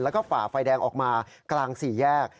แล้วก็ฝ่าไฟแดงออกมากลางสี่แยก